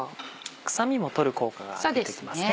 臭みも取る効果が出てきますね。